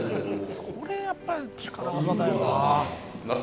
これやっぱり力わざだよな。